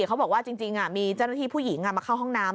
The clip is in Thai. เขาบอกว่าจริงมีเจ้าหน้าที่ผู้หญิงมาเข้าห้องน้ำ